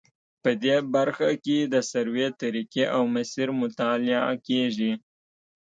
په دې برخه کې د سروې طریقې او مسیر مطالعه کیږي